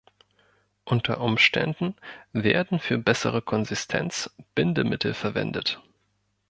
Unter Umständen werden für eine bessere Konsistenz Bindemittel verwendet.